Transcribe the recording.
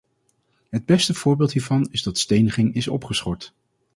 Het beste voorbeeld hiervan is dat steniging is opgeschort.